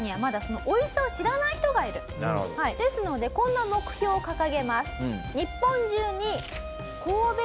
ですのでこんな目標を掲げます。